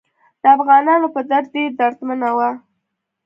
د افغانانو په درد ډیره دردمنه وه.